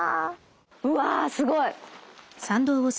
うわすごい。